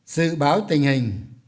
dự báo tình hình